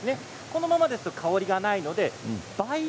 このままでは香りがないのでばい